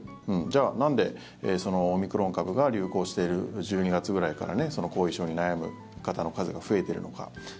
じゃあ、なんでオミクロン株が流行している１２月ぐらいから後遺症に悩む方の数が増えているのか。